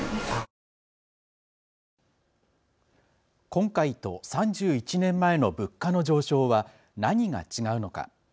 今回と３１年前の物価の上昇は何が違うのか。